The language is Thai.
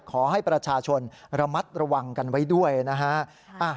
ขอให้ประชาชนระมัดระวังกันไว้ด้วยนะฮะ